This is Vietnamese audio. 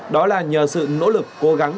đó là nhờ sự nỗ lực cố gắng